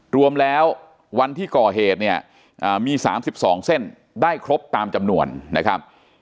รวมแล้ววันที่ก่อเหตุเนี่ยมี๓๒เส้นได้ครบตามจำนวนนะครับ